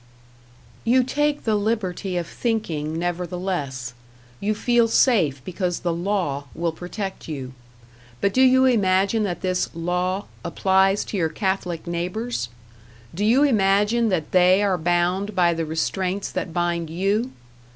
You take the liberty of thinking, nevertheless; you feel safe because the Law will protect you. But do you imagine that this "Law" applies to your Catholic neighbors? Do you imagine that they are bound by the restraints that bind #you#?